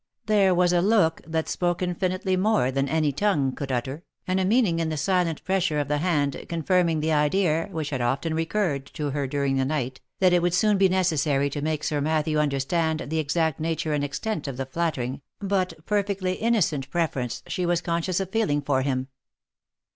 There was a look that spoke infinitely more than any tongue could utter, and a meaning in the silent pressure of the hand, con firming the idea, which had often recurred to her during the night, that it would soon be necessary to make Sir Matthew understand the exact nature and extent of the flattering, but perfectly innocent preference she was conscious of feeling for him.